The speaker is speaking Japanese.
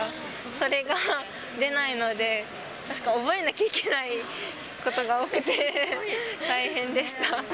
それが出ないので、覚えなきゃいけないことが多くて、大変でした。